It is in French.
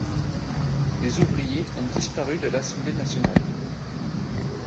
Les ouvriers ont disparu de l'Assemblée nationale.